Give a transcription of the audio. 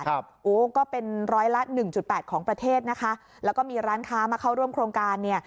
โอ้ก็เป็นร้อยละหนึ่งจุดแปดของประเทศนะคะแล้วก็มีร้านค้ามาเข้าร่วมโครงการเนี่ย